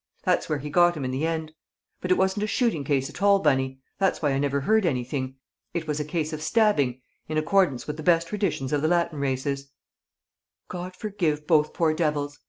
That's where he got him in the end. But it wasn't a shooting case at all, Bunny; that's why I never heard anything. It was a case of stabbing in accordance with the best traditions of the Latin races." "God forgive both poor devils!"